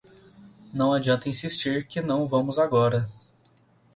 Não adianta insistir que não vamos agora.